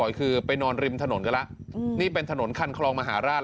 ก็บ่อยคือไปนอนริมถนนก็ละอืมนี่เป็นถนนขันครองมหาราช